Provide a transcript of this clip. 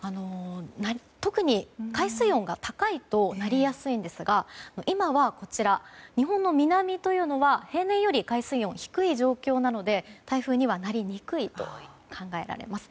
特に海水温が高いとなりやすいんですが今は日本の南というのは平年より海水温が低い状況なので台風にはなりにくいと考えられます。